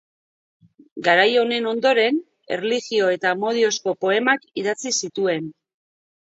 Garai honen ondoren, erlijio eta amodiozko poemak idatzi zituen.